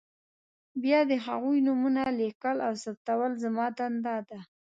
بیا د هغوی نومونه لیکل او ثبتول زما دنده ده.